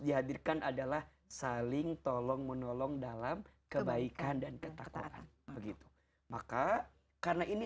dihadirkan adalah saling tolong menolong dalam kebaikan dan ketakutan begitu maka karena ini